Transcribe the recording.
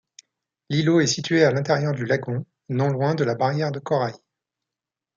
L'îlot est situé à l'intérieur du lagon, non loin de la barrière de corail.